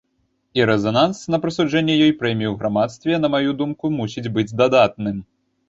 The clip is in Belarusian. І рэзананс на прысуджэнне ёй прэміі ў грамадстве, на маю думку, мусіць быць дадатным.